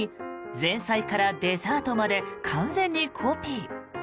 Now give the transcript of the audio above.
前菜からデザートまで完全にコピー。